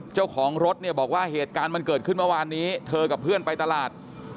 เจ้าของรถเนี่ยบอกว่าเหตุการณ์มันเกิดขึ้นเมื่อวานนี้เธอกับเพื่อนไปตลาด